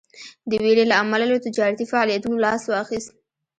د ویرې له امله له تجارتي فعالیتونو لاس واخیست.